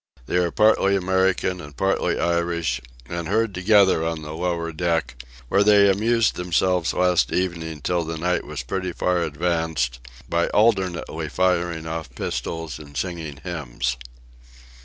They are partly American and partly Irish, and herd together on the lower deck; where they amused themselves last evening till the night was pretty far advanced, by alternately firing off pistols and singing hymns.